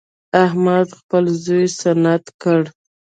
احمد خپل زوی سنت کړ.